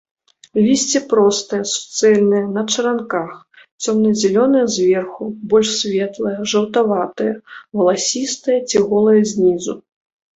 Лісце простае, суцэльнае, на чаранках, цёмна-зялёнае зверху, больш светлае, жаўтаватае, валасістае ці голае знізу.